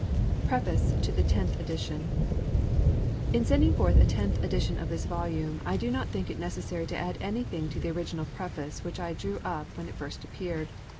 PREFACE TO THE TENTH EDITION. IN sending forth a tenth edition of this volume, I do not think it necessary to add anything to the original preface which I drew up when it first appeared.